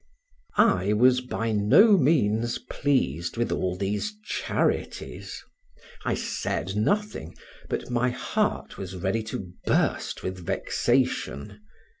I was by no means pleased with all these charities; I said nothing, but my heart was ready to burst with vexation.